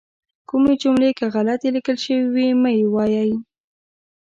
کومې جملې که غلطې لیکل شوي وي مه یې وایئ.